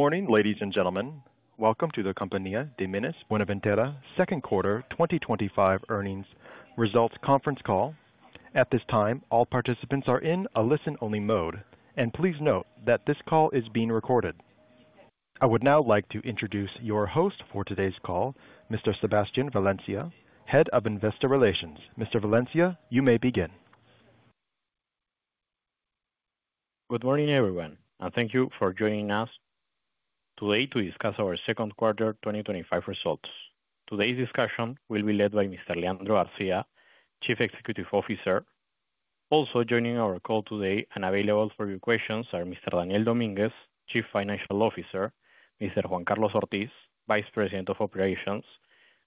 Good morning, ladies and gentlemen. Welcome to the Compania de Minas Buenaventura Second Quarter twenty twenty five Earnings Results Conference Call. At this time, all participants are in a listen only mode. And please note that this call is being recorded. I would now like to introduce your host for today's call, Mr. Sebastian Valencia, Head of Investor Relations. Mr. Valencia, you may begin. Good morning, everyone, and thank you for joining us today to discuss our second quarter twenty twenty five results. Today's discussion will be led by Mr. Leandro Garcia, Chief Executive Officer. Also joining our call today and available for your questions are Mr. Daniel Dominguez, Chief Financial Officer Mr. Juan Carlos Ortiz, Vice President of Operations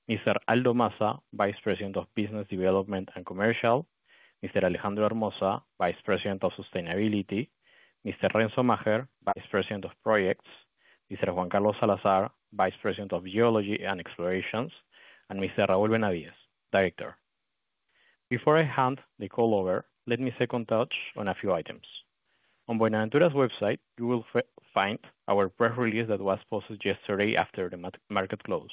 Mr. Aldo Massa, Vice President of Business Development and Commercial Mr. Alejandro Armosa, Vice President of Sustainability Mr. Renzo Maher, Vice President of Projects Mr. Juan Carlos Salazar, Vice President of Geology and Explorations and Mr. Raul Benavides, Director. Before I hand the call over, let me second touch on a few items. On Buenaventura's website, you will find our press release that was posted yesterday after the market close.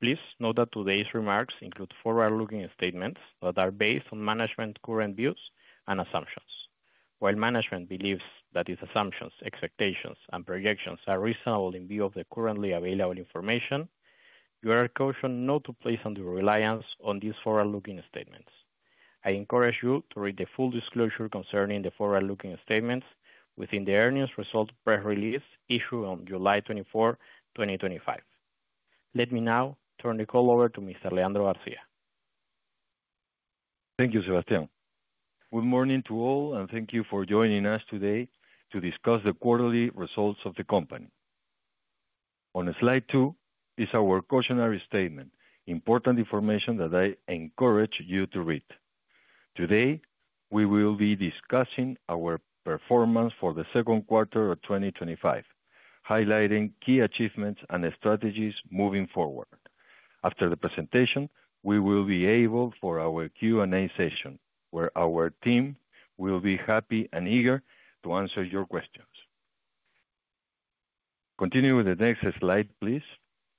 Please note that today's remarks include forward looking statements that are based on management's current views and assumptions. While management believes that its assumptions, expectations and projections are reasonable in view of the currently available information, you are cautioned not to place undue reliance on these forward looking statements. I encourage you to read the full disclosure concerning the forward looking statements within the earnings results press release issued on 07/24/2025. Let me now turn the call over to Mr. Leandro Garcia. Thank you, Sebastien. Good morning to all and thank you for joining us today to discuss the quarterly results of the company. On Slide two is our cautionary statement, important information that I encourage you to read. Today, we will be discussing our performance for the second quarter of twenty twenty five, highlighting key achievements and strategies moving forward. After the presentation, we will be able for our Q and A session, where our team will be happy and eager to answer your questions. Continuing with the next slide, please.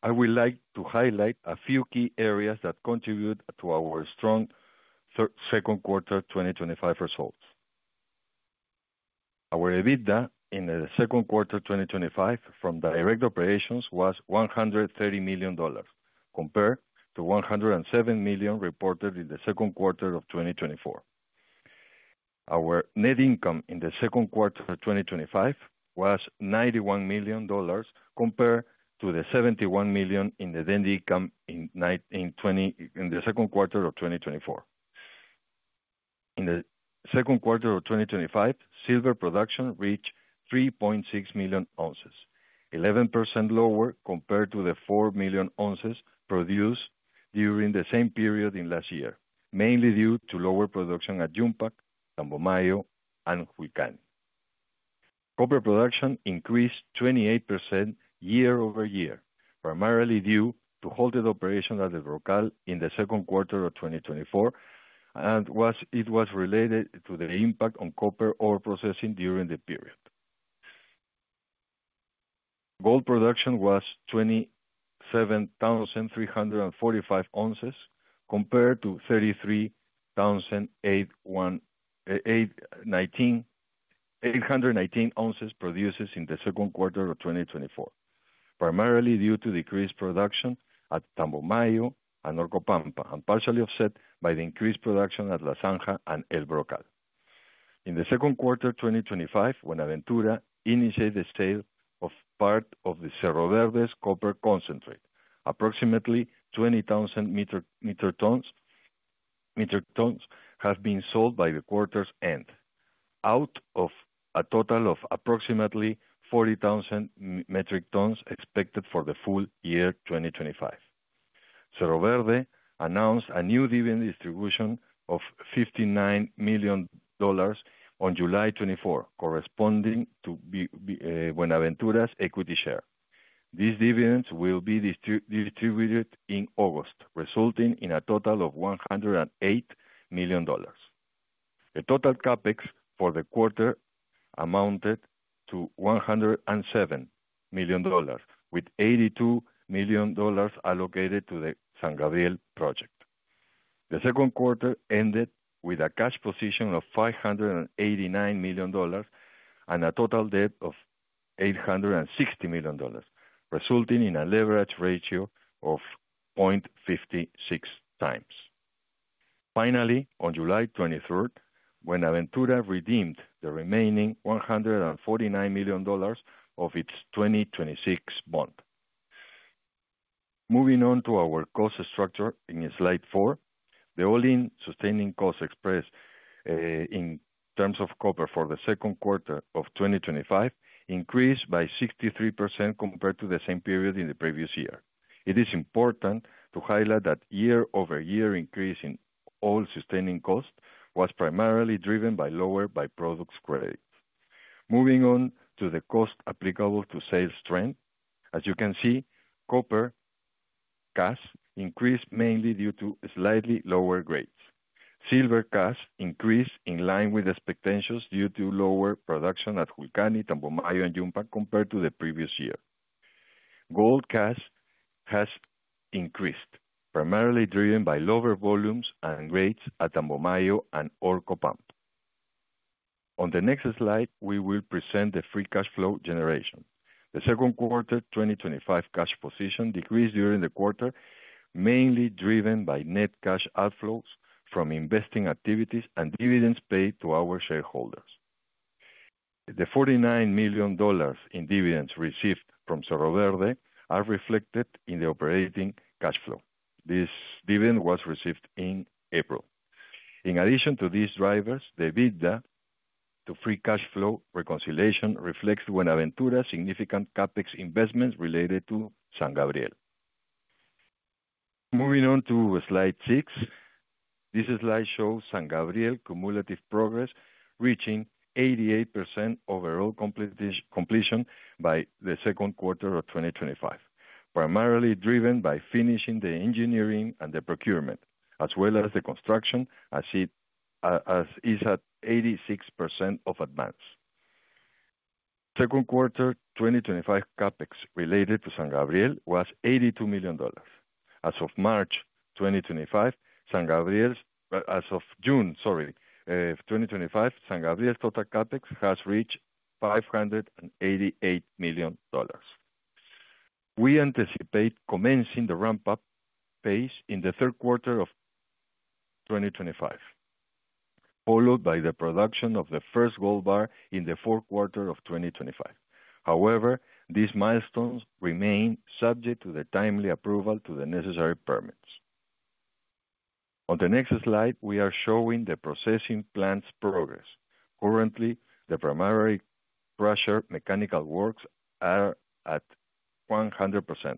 I would like to highlight a few key areas that contribute to our strong second quarter twenty twenty five results. Our EBITDA in the second quarter twenty twenty five from direct operations was $130,000,000 compared to $107,000,000 reported in the second quarter of twenty twenty four. Our net income in the 2025 was $91,000,000 compared to the $71,000,000 in the net income in the second quarter of twenty twenty four. In the second quarter of twenty twenty five, silver production reached 3,600,000 ounces, 11% lower compared to the 4,000,000 ounces produced during the same period in last year, mainly due to lower production at Jumpac, Tambomayo and Huican. Copper production increased 28% year over year, primarily due to halted operations at El Brocal in the 2024 and it was related to the impact on copper ore processing during the period. Gold production was twenty seven thousand three hundred and forty five ounces compared to 33,119 ounces produced in the second quarter of twenty twenty four, primarily due to decreased production at Tambomayo and Orcopampa and partially offset by the increased production at La Sanja and El Brocal. In the second quarter twenty twenty five, Buenaventura initiated the sale of part of the Cerro Verdes copper concentrate, Approximately 20,000 metric tons have been sold by the quarter's end, out of a total of approximately 40,000 metric tons expected for the full year 2025. Cerro Verde announced a new dividend distribution of 59,000,000 on July 24, corresponding to Buenaventura's equity share. These dividends will be distributed in August, resulting in a total of $108,000,000 The total CapEx for the quarter amounted to $107,000,000 with $82,000,000 allocated to the San Gabriel project. The second quarter ended with a cash position of $589,000,000 and a total debt of $860,000,000 resulting in a leverage ratio of 0.56 times. Finally, on July 23, when Aventura redeemed the remaining 149,000,000 of its 2026 bond. Moving on to our cost structure in Slide four. The all in sustaining costs expressed in terms of copper for the 2025 increased by 63% compared to the same period in the previous year. It is important to highlight that year over year increase in all sustaining costs was primarily driven by lower byproducts credit. Moving on to the cost applicable to sales strength. As you can see, copper cash increased mainly due to slightly lower grades. Silver cash increased in line with expectations due to lower production at Julkani, Tambomayo and Yumpa compared to the previous year. Gold cash has increased primarily driven by lower volumes and grades at Tambomayo and Orcopamp. On the next slide, we will present the free cash flow generation. The second quarter twenty twenty five cash position decreased during the quarter, mainly driven by net cash outflows from investing activities and dividends paid to our shareholders. The $49,000,000 in dividends received from Cerro Verde are reflected in the operating cash flow. This dividend was received in April. In addition to these drivers, the EBITDA to free cash flow reconciliation reflects Buenaventura significant CapEx investments related to San Gabriel. Moving on to Slide six. This slide shows San Gabriel cumulative progress reaching 88% overall completion by the second quarter of twenty twenty five, primarily driven by finishing the engineering and the procurement as well as the construction as it is at 86% of advance. Second quarter twenty twenty five CapEx related to San Gabriel was $82,000,000 As of March 2025, San Gabriel's as of June, sorry, 2025, San Gabriel's total CapEx has reached $588,000,000 We anticipate commencing the ramp up pace in the third quarter of twenty twenty five, followed by the production of the first gold bar in the fourth quarter of twenty twenty five. However, these milestones remain subject to the timely approval to the necessary permits. On the next slide, we are showing the processing plant's progress. Currently, the primary crusher mechanical works are at 100%.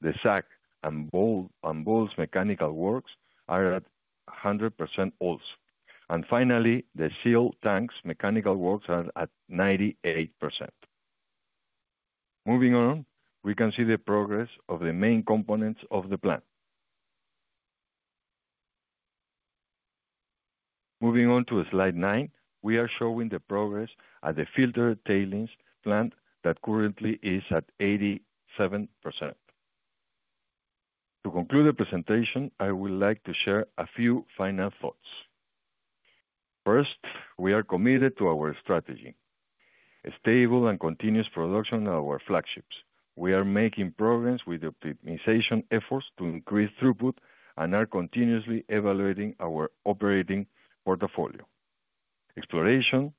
The SAK and Bolz mechanical works are at 100% also. And finally, the sealed tanks mechanical works are at 98%. Moving on, we can see the progress of the main components of the plant. Moving on to Slide nine, we are showing the progress at the filter tailings plant that currently is at 87%. To conclude the presentation, I would like to share a few final thoughts. First, we are committed to our strategy, a stable and continuous production of our flagships. We are making progress with optimization efforts to increase throughput and are continuously evaluating our operating portfolio. Exploration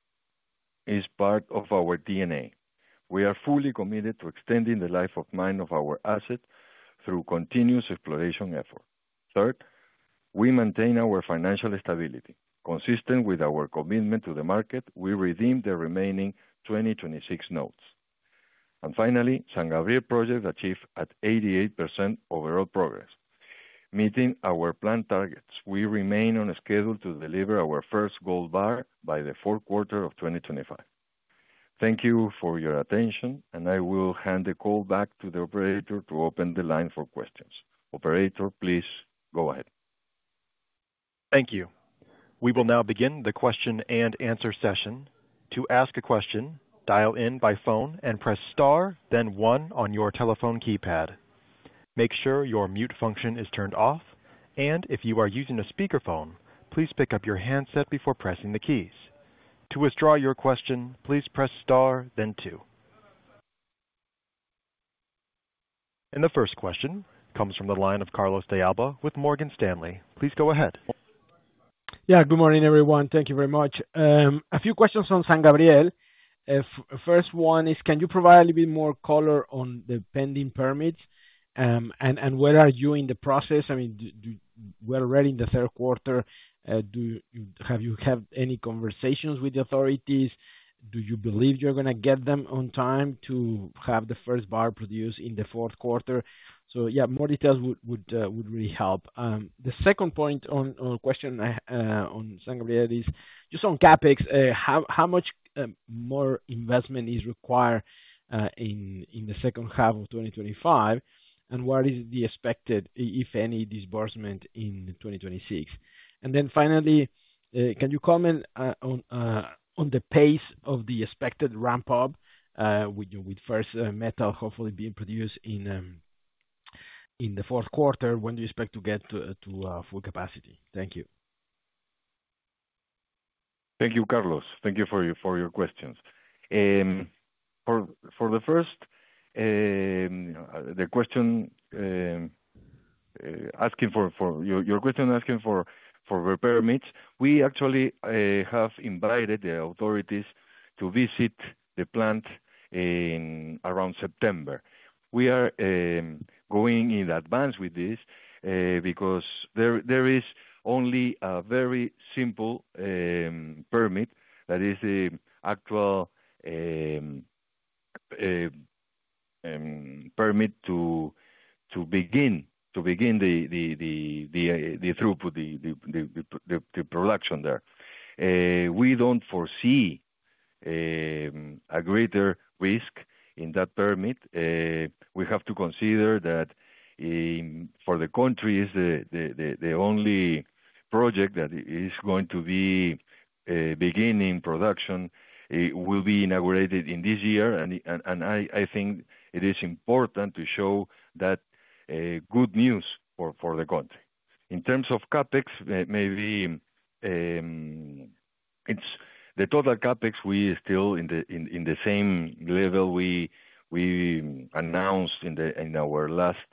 is part of our DNA. We are fully committed to extending the life of mine of our asset through continuous exploration effort. Third, we maintain our financial stability. Consistent with our commitment to the market, we redeemed the remaining twenty twenty six notes. And finally, San Gabriel project achieved at 88% overall progress, meeting our planned targets. We remain on schedule to deliver our first gold bar by the fourth quarter of twenty twenty five. Thank you for your attention, and I will hand the call back to the operator to open the line for questions. Operator, please go ahead. Thank you. We will now begin the question and answer session. And the first question comes from the line of Carlos De Alba with Morgan Stanley. A few questions on San Gabriel. First one is, can you provide a little bit more color on the pending permits? And where are you in the process? I mean, we're already in the third quarter. Do you have you had any conversations with the authorities? Do you believe you're going to get them on time to have the first bar produced in the fourth quarter? Yes, more details would really help. The second point on question on San Gabriel is just on CapEx. How much more investment is required in the second half of twenty twenty five? And what is the expected, if any, disbursement in 2026? And then finally, can you comment on the pace of the expected ramp up with first metal hopefully being produced in the fourth quarter, when do you expect to get to full capacity? Thank you, Carlos. Thank you for your questions. For the first, the question asking for your question asking for repair permits, we actually have invited the authorities to visit the plant in around September. We are going in advance with this because there is only a very simple permit that is the actual permit to begin the throughput, the production there. We don't foresee a greater risk in that permit. We have to consider that for the country is the only project that is going to be beginning production will be inaugurated in this year. And I think it is important to show that good news for the country. In terms of CapEx, maybe it's the total CapEx we still in the same level we announced in our last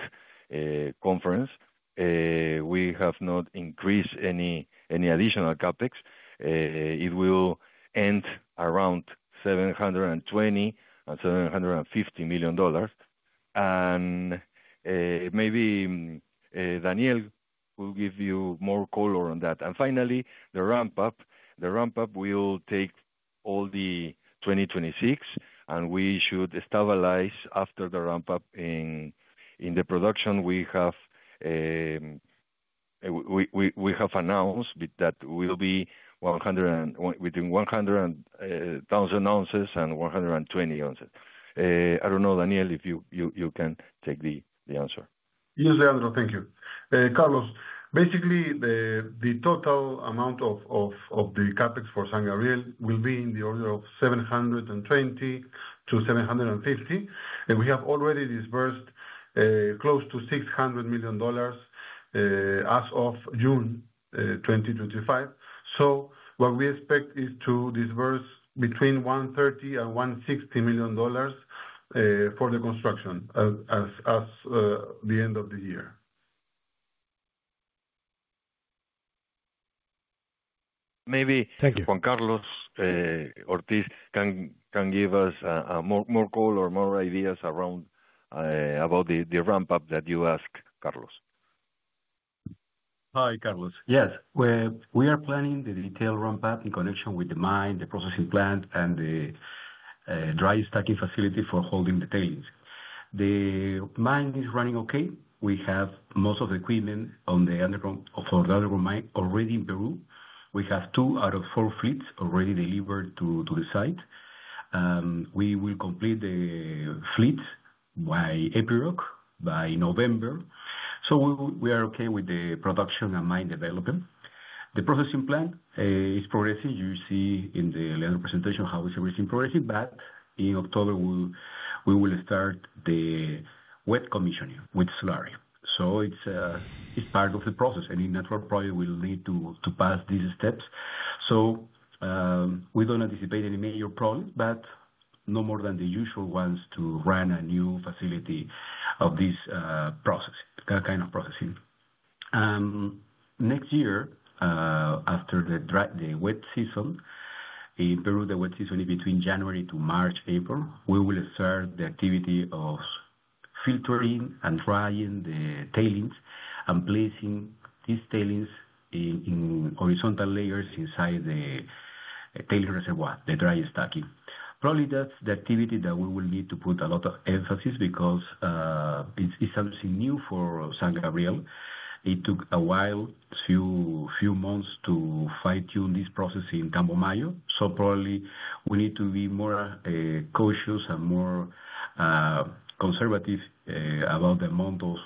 conference, we have not increased any additional CapEx. It will end around $720,000,000 and $750,000,000 And maybe Daniel will give you more color on that. And finally, the ramp up. The ramp up will take all the 2026, and we should stabilize after the ramp up in the production we have announced that we will be 100 and between 100,000 ounces and 120 ounces. I don't know, Daniel, if you can take the answer. Yes, Leandro. Thank you. Carlos, basically, the total amount of the CapEx for San Gabriel will be in the order of $720 to $7.50 And we have already disbursed close to $600,000,000 as of June 2025. So what we expect is to disburse between $130,000,000 and $160,000,000 for the construction as the end of the year. Juan Carlos Ortiz can give us more color or more ideas around about the ramp up that you asked Carlos. Carlos, yes, we are planning the detailed ramp up in connection with the mine, the processing plant and the dry stacking facility for holding the tailings. The mine is running okay. We have most of the equipment on the underground mine already in Peru. We have two out of four fleets already delivered to the site. We will complete the fleet by Epiroc by November. So we are okay with the production and mine development. The processing plant is progressing. You see in the earlier presentation how it's progressing. But in October, we will start the wet commissioning with slurry. So it's part of the process. Any natural project will lead to pass these steps. So we don't anticipate any major projects, but no more than the usual ones to run a new facility of this process kind of processing. Next year, after the wet season, in Peru, the wet season in between January to March, April, we will start the activity of filtering and drying the tailings and placing these tailings in horizontal layers inside the tail reservoir, the dry stacking. Probably that's the activity that we will need to put a lot of emphasis because it's obviously new for Santa Gabriel. It took a while, a few months to fine tune this process in Campo Mayo. So probably we need to be more cautious and more conservative about the amount of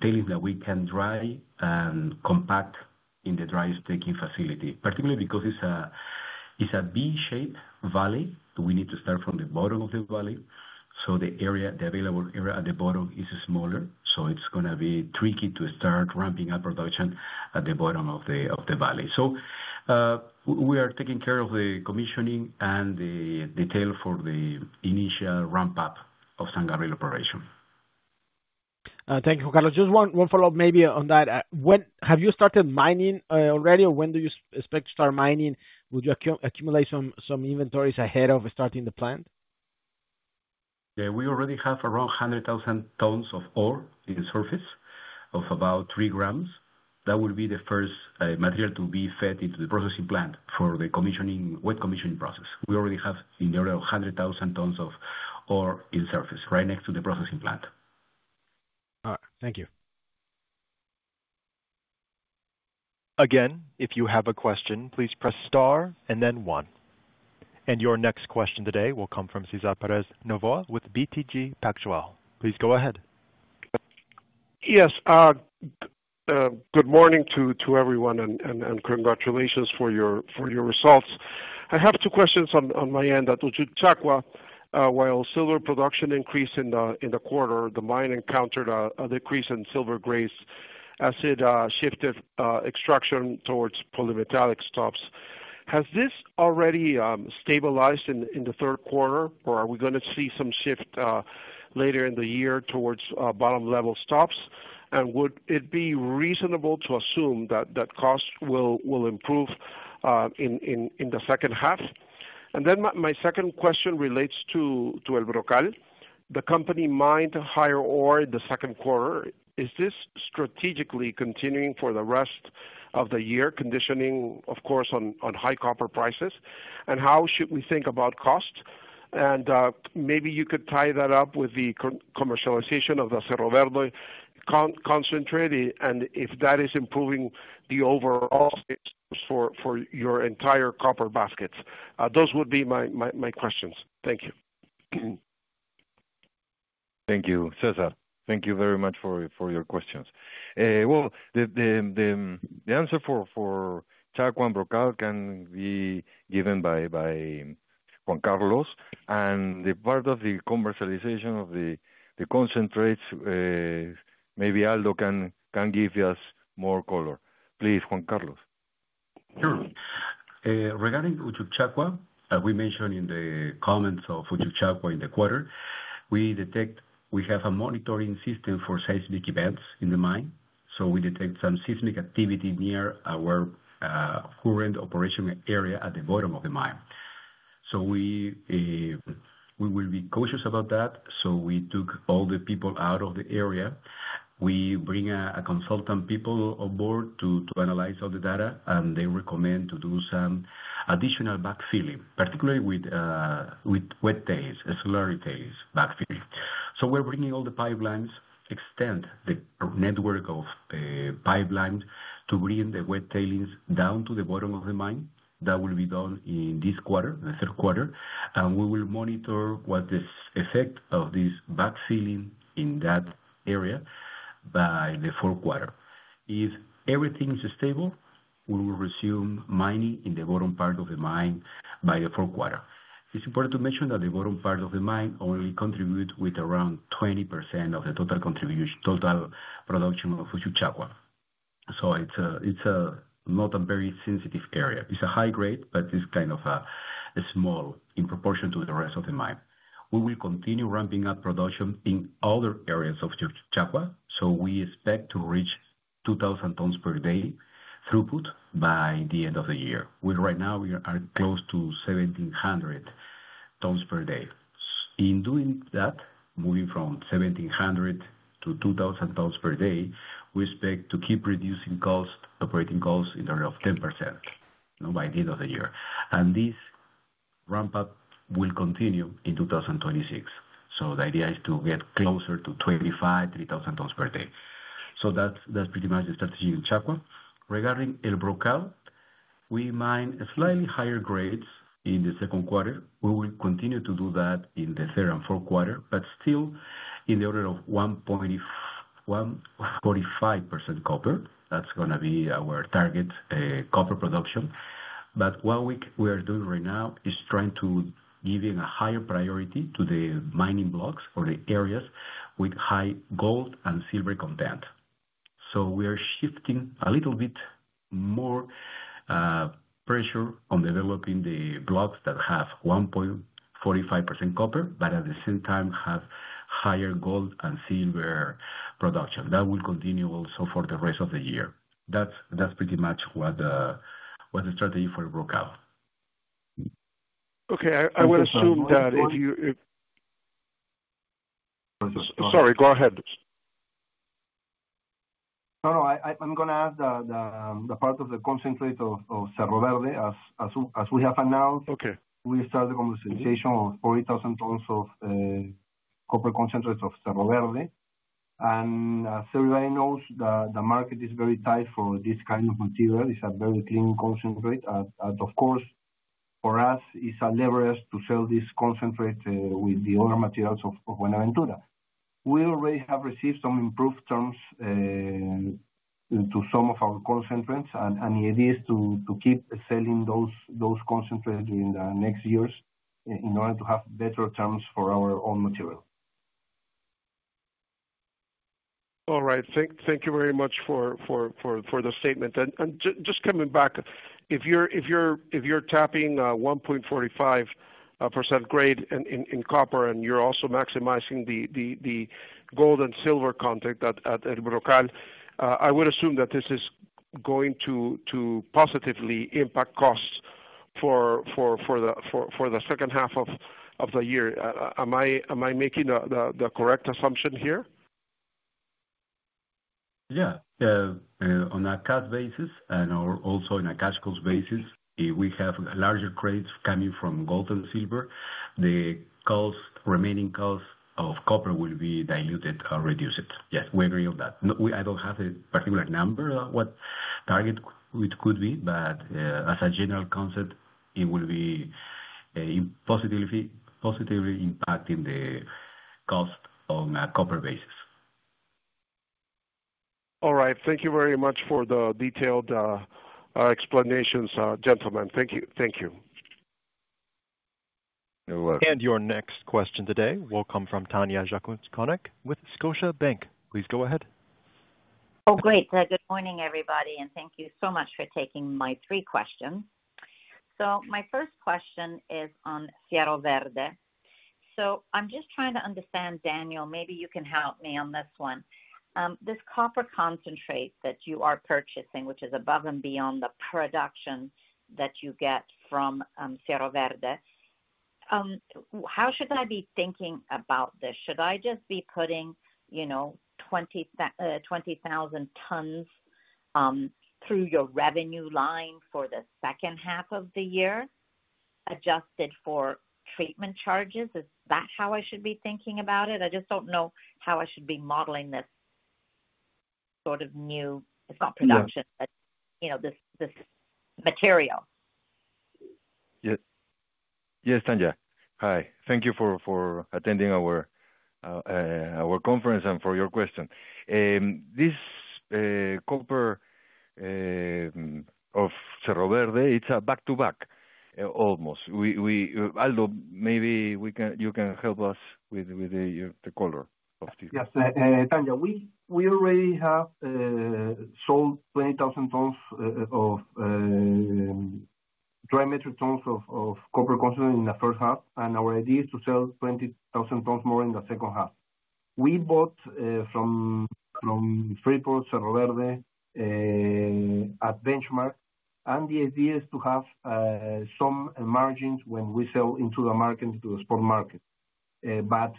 tailings that we can dry and compact in the dry stacking facility, particularly because it's a V shaped valley. We need to start from the bottom of the valley. So the area the available area at the bottom is smaller. So it's going to be tricky to start ramping up production at the bottom of the valley. So we are taking care of the commissioning and the detail for the initial ramp up of San Gabriel operation. You, Ricardo. Just one follow-up maybe on that. When have you started mining already? When do you expect to start mining? Would you accumulate some inventories ahead of starting the plant? Yes. We already have around 100,000 tons of ore in the surface of about three grams. That will be the first material to be fed into the processing plant for the commissioning wet commissioning process. We already have in the order of 100,000 tons of ore in surface right next to the processing plant. All right. Thank And your next question today will come from Cesar Perez Novo with BTG Pactual. Please go ahead. Yes. Good morning to everyone and congratulations for your results. I have two questions on my end. At Uchucchacua, while silver production increased in the quarter, the mine encountered a decrease in silver grades as it shifted extraction towards polymetallic stops. Has this already stabilized in the third quarter? Or are we going to see some shift later in the year towards bottom level stops? And would it be reasonable to assume that costs will improve in the second half? And then my second question relates to El Brocal. The company mined higher ore in the second quarter. Is this strategically continuing for the rest of the year conditioning, of course, on high copper prices? And how should we think about cost? And maybe you could tie that up with the commercialization of the Cerro Verde concentrate and if that is improving the overall for your entire copper baskets? Those would be my questions. Thank you. You, Cesar. Thank you very much for your questions. Well, the answer for Chaco and Brocal can be given by Juan Carlos. And the part of the commercialization of the concentrates, maybe Aldo can give us more color. Please, Juan Carlos. JOSE Sure. Regarding Uchucchacua, we mentioned in the comments of Uchucchacua in the quarter, we detect we have a monitoring system for seismic events in the mine. So we detect some seismic activity near our current operational area at the bottom of the mine. So we will be cautious about that. So we took all the people out of the area. We bring a consultant people on board to analyze all the data and they recommend to do some additional backfilling, particularly with wet days, ancillary tails backfilling. So we're bringing all the pipelines, extend the network of pipelines to bring the wet tailings down to the bottom of the mine. That will be done in this quarter, in the third quarter. And we will monitor what is effect of this backfilling in that area by the fourth quarter. If everything is stable, we will resume mining in the bottom part of the mine by the fourth quarter. It's important to mention that the bottom part of the mine only contribute with around 20% of the total contribution total production of Fujuchakwa. So it's not a very sensitive area. It's a high grade, but it's kind of small in proportion to the rest of the mine. We will continue ramping up production in other areas of Chaqua. So we expect to reach 2,000 tonnes per day throughput by the end of the year. Right now we are close to 1,700 tons per day. In doing that, moving from 1,700 to 2,000 tons per day, we expect to keep reducing costs operating costs in the range of 10% by the end of the year. And this ramp up will continue in 2026. So the idea is to get closer to twenty five three thousand tons per day. So that's pretty much the strategy in Chaco. Regarding El Brocal, we mined slightly higher grades in the second quarter. We will continue to do that in the third and fourth quarter, but still in the order of 1.45% copper. That's going to be our target copper production. But what we are doing right now is trying to give in a higher priority to the mining blocks or the areas with high gold and silver content. So we are shifting a little bit more pressure on developing the blocks that have 1.45% copper, but at the same time have higher gold and silver production. That will continue also for the rest of the year. That's pretty much what the strategy for the breakout. Okay. I would assume that if you sorry, go ahead. No, no. I'm going to add the part of the concentrate of Cerro Verde. As we have announced, we started commercialization of 40,000 tons of copper concentrates of Cerro Verde. And as everybody knows, the market is very tight for this kind of material. It's a very clean concentrate. And of course, for us, it's a lever to sell this concentrate with the other materials of Buenaventura. We already have received some improved terms to some of our call centers and the idea is to keep selling those concentrate during the next years in order to have better terms for our own material. All right. Thank you very much for the statement. And just coming back, if you're tapping 1.45% grade in copper and you're also maximizing the gold and silver contact at El Brocal. I would assume that this is going to positively impact costs for the second half of the year. Am I making the correct assumption here? Yes. On a cash basis and also in a cash cost basis, we have larger credits coming from gold and silver. The cost remaining cost of copper will be diluted or reduced. Yes, we agree on that. I don't have a particular number what target it could be, but as a general concept, it will be positively impacting the cost on a copper basis. All right. Thank you very much for the detailed explanations, gentlemen. Thank you. And your next question today will come from Tanya Jakusconek with Scotiabank. Please go ahead. Great. Good morning, everybody, and thank you so much for taking my three questions. So my first question is on Cerro Verde. So I'm just trying to understand, Daniel, maybe you can help me on this one. This copper concentrate that you are purchasing, which is above and beyond the production that you get from Cerro Verde, How should I be thinking about this? Should I just be putting 20,000 tonnes through your revenue line for the second half of the year adjusted for treatment charges? Is that how I should be thinking about it? I just don't know how I should be modeling this sort of new it's not production, but this material? Yes, Tanya. Thank you for attending our conference and for your question. This copper of Cerro Verde, it's a back to back almost. Aldo, maybe we can you can help us with the color of this. Yes. Tanja, we already have sold 20,000 tons of dry metric tons of copper concentrate in the first half, and our idea is to sell 20,000 tons more in the second half. We bought from Freeport, Cerro Verde at Benchmark, And the idea is to have some margins when we sell into the market to the spot market. But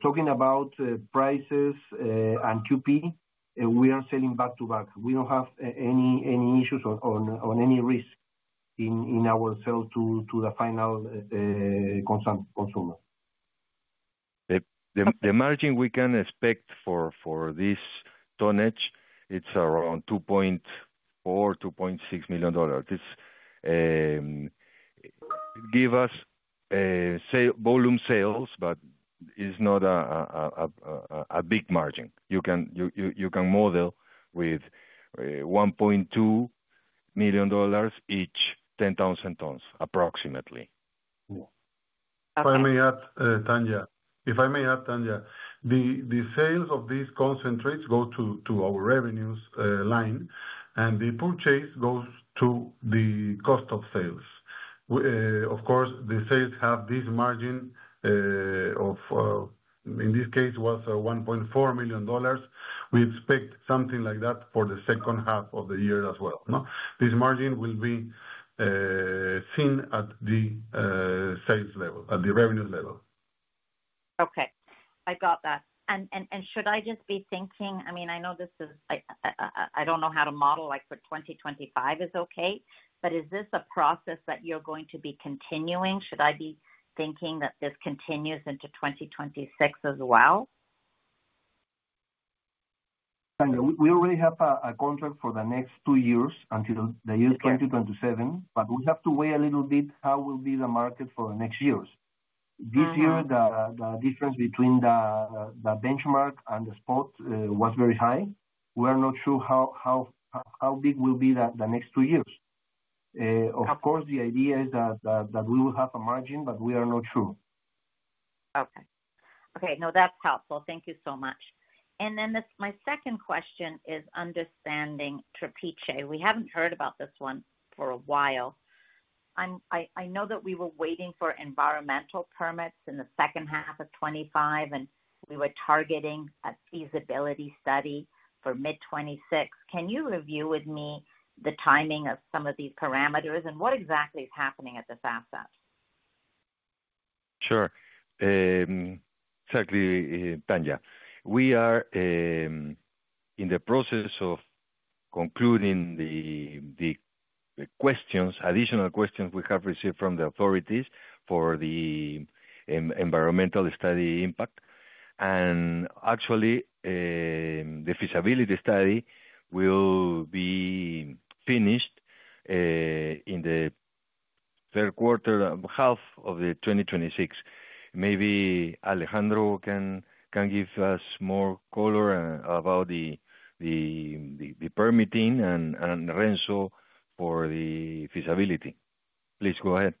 talking about prices and QP, we are selling back to back. We don't have any issues or any risk in our sell to the final consumer. The margin we can expect for this tonnage, it's around $2,400,000 $2,600,000 This give us volume sales, but it's not a big margin. You can model with $1,200,000 each 10,000 tons approximately. If I may add, Tanja, sales of these concentrates go to our revenues line and the purchase goes to the cost of sales. Of course, the sales have this margin of in this case, it was $1,400,000 We expect something like that for the second half of the year as well. This margin will be seen at the sales level at the revenue level. Okay. I got that. And should I just be thinking I mean, I know this is I don't know how to model like for 2025 is okay. But is this a process that you're going to be continuing? Should I be thinking that this continues into 2026 as well? JOSE We already have a contract for the next two years until the year 2027, but we have to weigh a little bit how will be the market for the next years. This year, the difference between the benchmark and the spot was very high. We are not sure how big will be the next two years. Of course, the idea is that we will have a margin, but we are not sure. Okay. Okay. No, that's helpful. Thank you so much. And then my second question is understanding Trepiche. We haven't heard about this one for a while. I know that we were waiting for environmental permits in the 2025 and we were targeting a feasibility study for mid-twenty twenty six. Can you review with me the timing of some of these parameters and what exactly is happening at this asset? Sure. Exactly, Tanya. We are in the process of concluding the questions additional questions we have received from the authorities for the environmental study impact. And actually, the feasibility study will be finished in the third quarter half of the twenty twenty six. Maybe Alejandro can give us more color about the permitting and the rental for the feasibility. Please go ahead.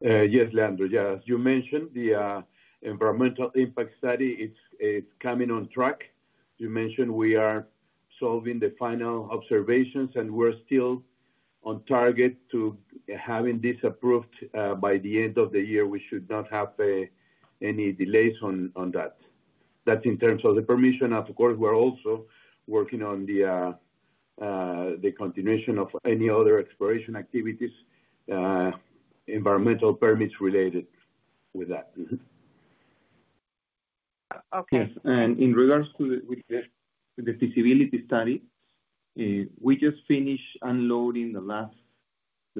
Yes, Leandro. Yes, you mentioned the environmental impact study, it's coming on track. You mentioned we are solving the final observations and we're still on target to having this approved by the end of the year. We should not have any delays on that. That's in terms of the permission. Of course, we're also working on the continuation of any other exploration activities, environmental permits related with that. Okay. And in regards to the feasibility study, we just finished unloading the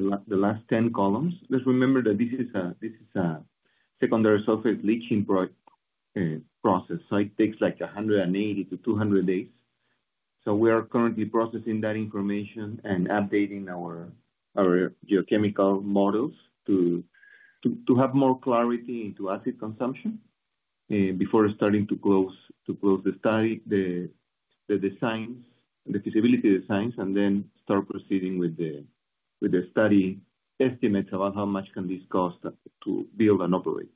last 10 columns. Just remember that this is secondary surface leaching process. So it takes like one hundred and eighty to two hundred days. So we are currently processing that information and updating our geochemical models to have more clarity into asset consumption before starting to close the study, the designs, the feasibility of the signs and then start proceeding with the study estimates about how much can this cost to build and operate.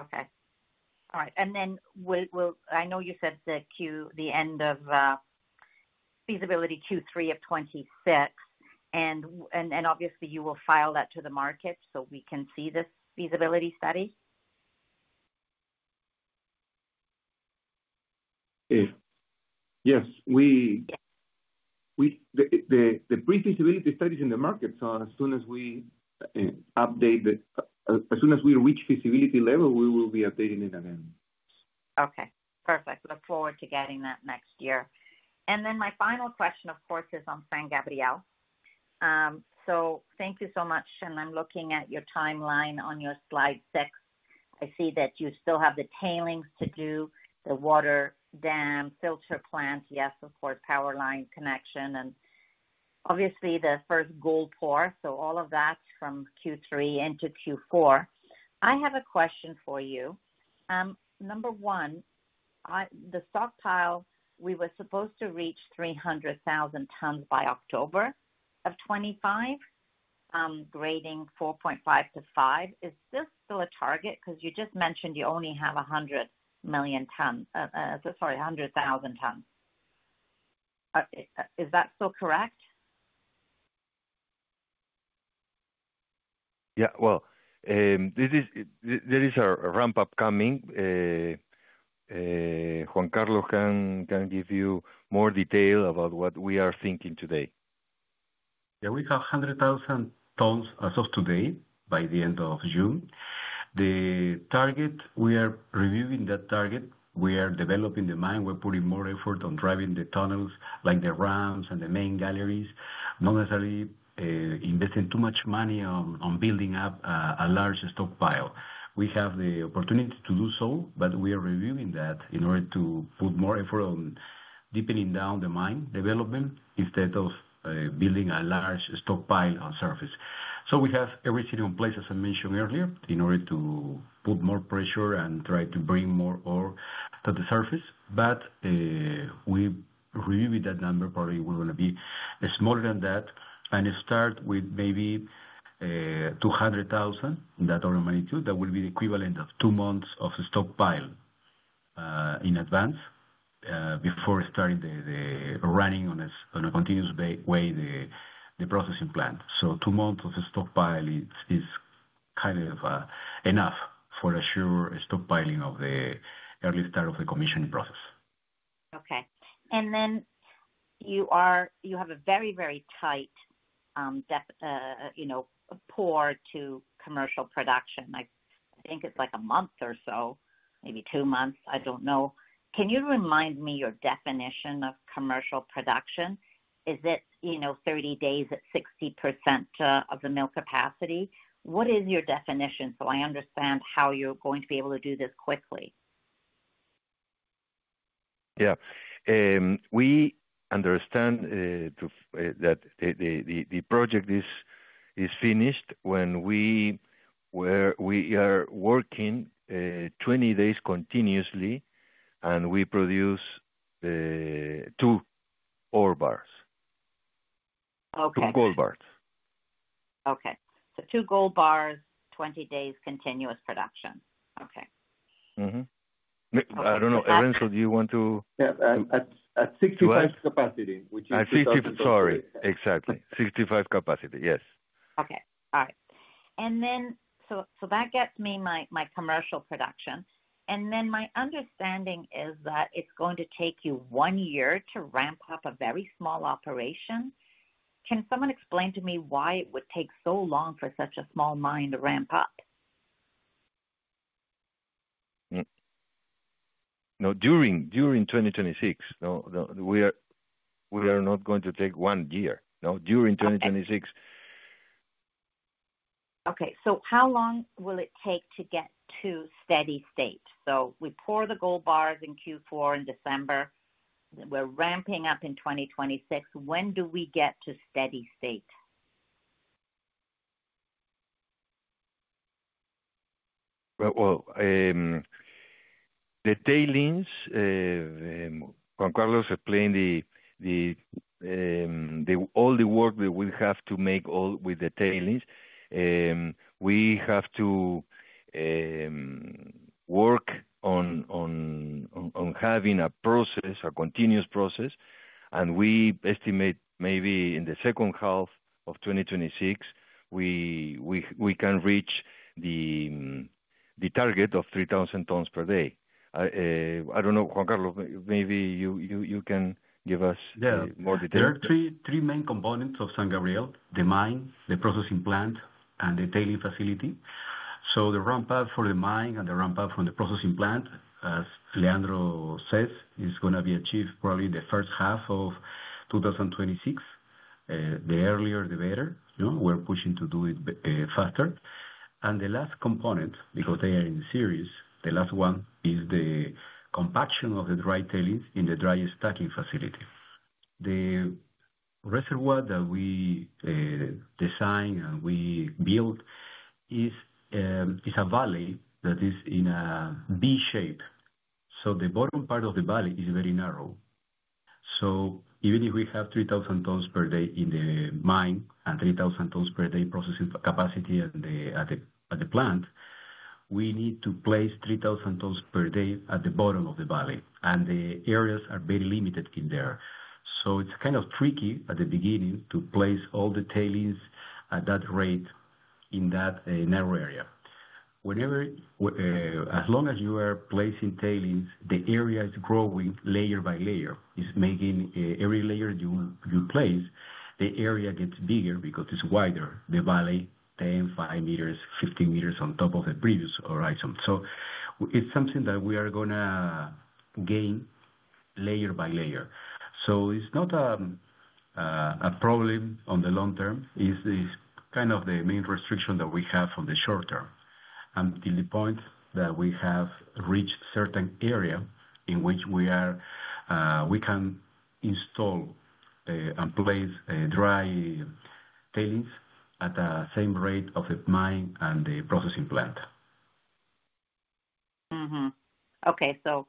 Okay. All right. And then I know you said the end of feasibility Q3 of twenty twenty six. And obviously, you will file that to the market so we can see this feasibility study? Yes. We the pre feasibility studies in the market, so as soon as we update it as soon as we reach feasibility level, we will be updating it again. Okay. Perfect. Look forward to getting that next year. And then my final question, of course, is on San Gabriel. So thank you so much. And I'm looking at your time line on your Slide six. I see that you still have the tailings to do the water dam filter plant. Yes, of course, power line connection and obviously the first gold pour. So all of that from Q3 into Q4. I have a question for you. Number one, the stockpile, we were supposed to reach 300,000 tonnes by October 2025 grading 4.5 to five. Is this still a target? Because you just mentioned you only have 100,000 tonnes. Is that still correct? Yes. Well, there is a ramp up coming. Juan Carlos can give you more detail about what we are thinking today. Yes. We have 100,000 tons as of today by the June. The target we are reviewing that target. We are developing the mine. We're putting more effort on driving the tunnels like the rounds and the main galleries, not necessarily investing too much money on building up a large stockpile. We have the opportunity to do so, but we are reviewing that in order to put more effort on deepening down the mine development instead of building a large stockpile on surface. So we have everything in place, as I mentioned earlier, in order to put more pressure and try to bring more ore to the surface. But we review that number probably we're going to be smaller than that and start with maybe 200,000 in that order of magnitude that will be equivalent of two months of stockpile in advance before starting the running on a continuous way the processing plant. So two months of stockpile is kind of enough for a sure stockpiling of the early start of the commissioning process. Okay. And then you are you have a very, very tight a pour to commercial production. I think it's like a month or so, maybe two months, I don't know. Can you remind me your definition of commercial production? Is it thirty days at 60% of the mill capacity? What is your definition so I understand how you're going to be able to do this quickly? Yes. We understand that the project is finished when we are working twenty days continuously and we produce two ore bars. Okay. Two gold bars. Okay. So two gold bars, twenty days continuous production. Okay. I don't know. Lorenzo, do you want to At 65 capacity, which is At 65, sorry, exactly. 65 capacity, yes. Okay. All right. And then so that gets me my commercial production. And then my understanding is that it's going to take you one year to ramp up a very small operation. Can someone explain to me why it would take so long for such a small mine to ramp up? No, during 2026. We are not going to take one year. No, during 2026. Okay. So how long will it take to get to steady state? So we pour the gold bars in Q4 in December. We're ramping up in 2026. When do we get to steady state? Well, the tailings, Juan Carlos explained the all the work that we have to make all with the tailings. We have to work on having a process, a continuous process. And we estimate maybe in the second half of twenty twenty six, we can reach the target of 3,000 tons per day. I don't know, Juan Carlos, CARLOS maybe you can DE give us more detail. There are three main components of San Gabriel, the mine, the processing plant and the tailing facility. So the ramp up for the mine and the ramp up on the processing plant, as Leandro says, is going to be achieved probably in the first half of twenty twenty six. The earlier the better. We're pushing to do it faster. And the last component, because they are in series, the last one is the compaction of the dry tailings in the dry stacking facility. The reservoir that we designed and we built is a valley that is in a V shape. So the bottom part of the valley is very narrow. So even if we have 3,000 tons per day in the mine and 3,000 tons per day processing capacity at the plant, we need to place 3,000 tons per day at the bottom of the valley and the areas are very limited in there. So it's kind of tricky at the beginning to place all the tailings at that rate in that narrow area. Whenever as long as you are placing tailings, the area is growing layer by layer. It's making every layer you place, the area gets bigger because it's wider, the valley ten, five meters, 15 meters on top of the previous horizon. So it's something that we are going to gain layer by layer. So it's not a problem on the long term. It's kind of the main restriction that we have on the short term until the point that we have reached certain area in which we are we can install and place dry tailings at the same rate of mine and the processing plant. Okay. So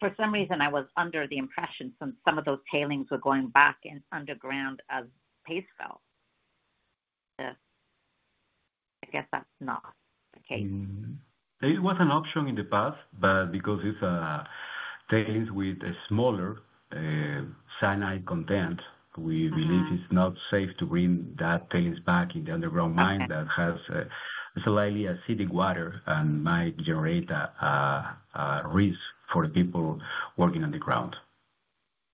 for some reason, I was under the impression some of those tailings were going back in underground as paste fell. I guess that's not the case. It was an option in the past, but because it's tailings with smaller cyanide content, we believe it's not safe to bring that tailings back in the underground mine that has slightly acidic water and might generate a risk for people working on the ground.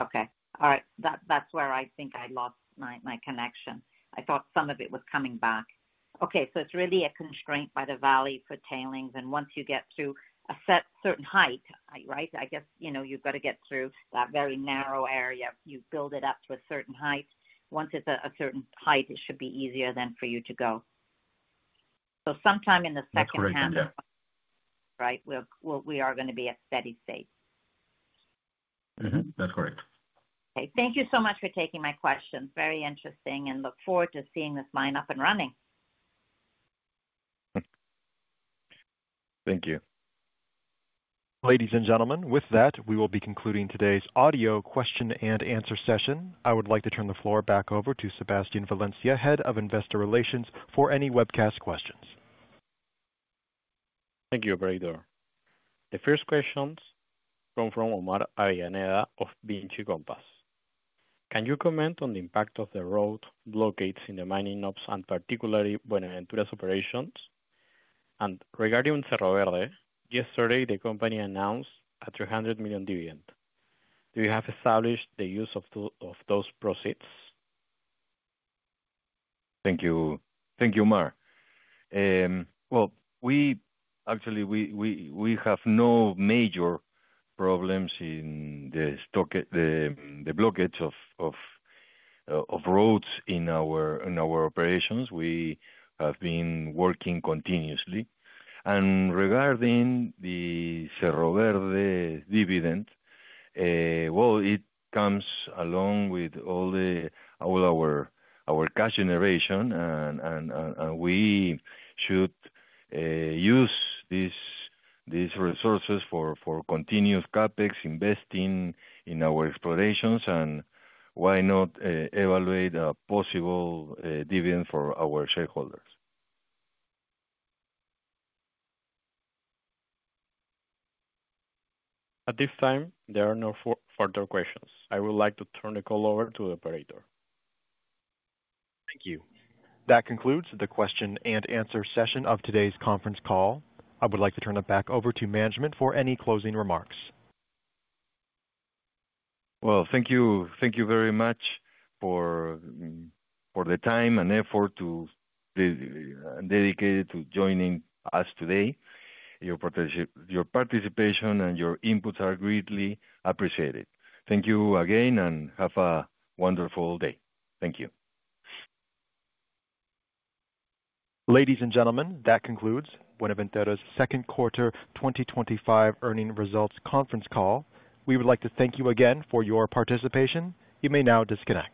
Okay. All right. That's where I think I lost my connection. I thought some of it was coming back. Okay. So it's really a constraint by the valley for tailings. And once you get to a certain height, right, I guess, you've got to get through that very narrow area. You build it up to a certain height. Once it's a certain height, it should be easier than for you to go. So sometime in the second right, we are going to be at steady state. That's correct. Okay. Thank you so much for taking my questions. Very interesting and look forward to seeing this line up and running. Thank you. Ladies and gentlemen, with that, we will be concluding today's audio question and answer session. I would like to turn the floor back over to Sebastien Valencia, Head of Investor Relations for any webcast questions. Thank you, operator. The first question comes from Omar Arianeda of Bienci Compass. Can you comment on the impact of the road blockades in the mining ops and particularly Buenos Aires operations? And regarding Cerro Verde, yesterday, the company announced a $300,000,000 dividend. Do you have established the use of those proceeds? Thank you, Omar. Well, we actually, we have no major problems in the blockage roads in our operations. We have been working continuously. And regarding the Cerro Verde dividend, well, it comes along with all the all our cash generation, and we should use these resources for continuous CapEx, investing in our explorations and why not evaluate a possible dividend for our shareholders. At this time, there are no further questions. I would like to turn the call over to the operator. Thank you. That concludes the question and answer session of today's conference call. I would like to turn it back over to management for any closing remarks. Well, you. Thank you very much for the time and effort to dedicated to joining us today. Your participation and your inputs are greatly appreciated. Thank you again and have a wonderful day. Thank you. Ladies and gentlemen, that concludes Buenaventura's second quarter twenty twenty five earnings results conference call. We would like to thank you again for your participation. You may now disconnect.